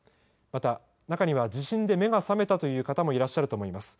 また、中には地震で目が覚めたという方もいらっしゃると思います。